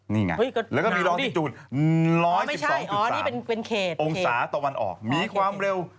นี่ไงแล้วก็มีร้องราชิตูต๑๑๒๓องศาตอนวันออกมีความเร็ว